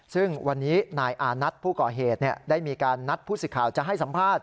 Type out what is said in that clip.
ซึ่งวันนี้นายอานัทผู้ก่อเหตุได้มีการนัดผู้สิทธิ์ข่าวจะให้สัมภาษณ